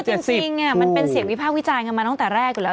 คือจริงมันเป็นเสียวิภาพวิจัยกันมาตั้งแต่แรกอยู่แล้ว